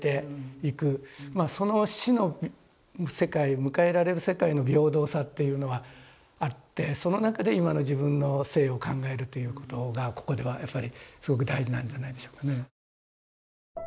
その死の世界迎えられる世界の平等さっていうのはあってその中で今の自分の生を考えるということがここではやっぱりすごく大事なんじゃないでしょうかね。